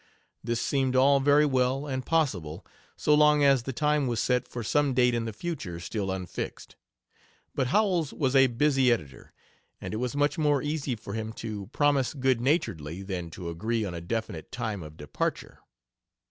This seemed all very well and possible, so long as the time was set for some date in the future still unfixed. But Howells was a busy editor, and it was much more easy for him to promise good naturedly than to agree on a definite time of departure.